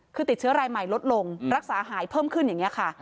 คือติดเชื้อรายใหม่ลดลงรักษาหายเพิ่มขึ้นอย่างนี้ค่ะ